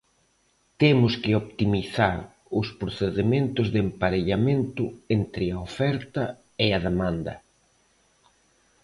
Temos que optimizar os procedementos de emparellamento entre a oferta e a demanda.